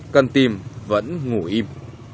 cần tìm vẫn ngủ im